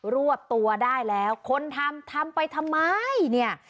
รวบตัวได้แล้วคนทำทำไปทำไมเนี่ย